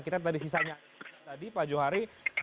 kita tadi sisanya tadi pak johari